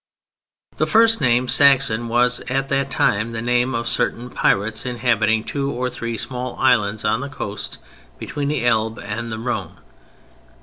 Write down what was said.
The first name "Saxon" was at that time the name of certain pirates inhabiting two or three small islands on the coasts between the Elbe and the Rhone.